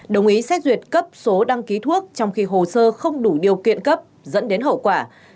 đồng ý xét duyệt cấp số đăng ký thuốc trong khi hồ sơ không đủ điều kiện cấp dẫn đến hậu quả